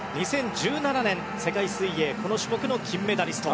２０１７年世界水泳この種目の金メダリスト。